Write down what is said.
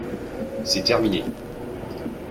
C’est terminé